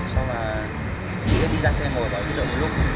xong là chị ấy đi ra xe ngồi và cứ đợi một lúc